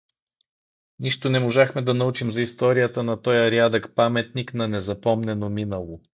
Нищо не можахме да научим за историята на тоя рядък паметник на незапомнено минало.